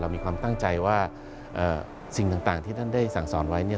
มีความตั้งใจว่าสิ่งต่างที่ท่านได้สั่งสอนไว้เนี่ย